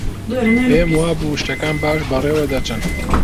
پێم وابوو شتەکان باش بەڕێوە دەچن.